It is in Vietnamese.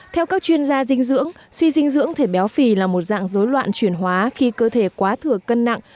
theo các chuyên gia dinh dưỡng suy dinh dưỡng thể béo phì là một dạng dối loạn chuyển hóa khi cơ thể quá thừa cân nặng